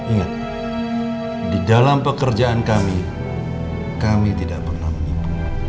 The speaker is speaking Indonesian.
ingat di dalam pekerjaan kami kami tidak pernah menipu